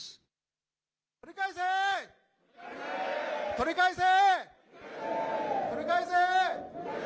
取り返せ。